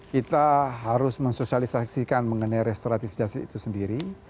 kita harus mensosialisasikan mengenai restoratif justice itu sendiri